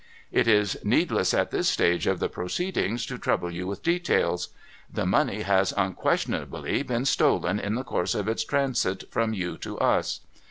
' It is needless, at this stage of the proceedings, to trouble you with details. The money has unquestionably been stolen in the course of its transit from you to us.